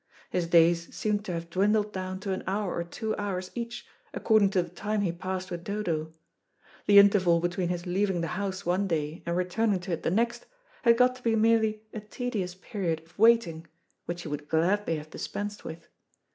His days seemed to have dwindled down to an hour or two hours each, according to the time he passed with Dodo. The interval between his leaving the house one day and returning to it the next, had got to be merely a tedious period of waiting, which he would gladly have dispensed with.